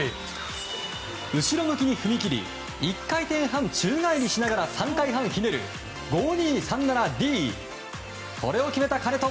後ろ向きに踏み切り１回転半、宙返りしながら３回半ひねる５２３７Ｄを決めた金戸。